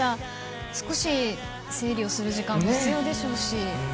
少し、整理をする時間も必要でしょうし。